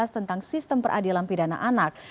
tentang sistem peradilan pidana anak